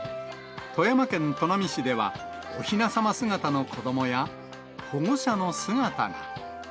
富山県砺波市では、おひなさま姿の子どもや保護者の姿が。